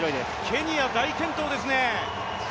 ケニア、大健闘ですね。